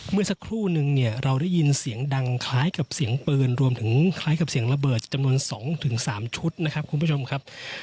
เมื่อสักครู่นึงเนี่ยเราได้ยินเสียงดังคล้ายกับเสียงปืนรวมถึงคล้ายกับเสียงระเบิดจำนวน๒๓ชุดนะครับคุณผู้ชมครับ